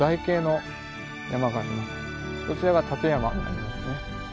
そちらが立山になりますね。